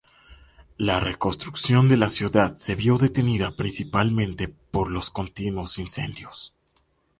La reconstrucción de la ciudad se vio detenida principalmente por los continuos incendios.